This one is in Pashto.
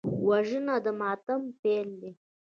وژنه د ماتم پیل دی